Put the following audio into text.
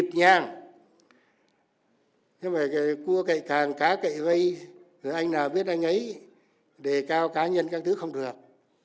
chắc các đồng chí nào biết anh ấy đề cao cá nhân các thứ không được